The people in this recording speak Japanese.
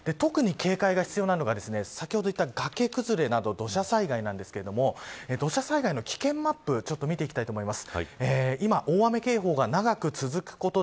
特に、警戒が必要なのが先ほど言った崖崩れなど土砂災害ですが土砂災害の危険マップを見ていきます。